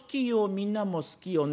みんなも好きよね。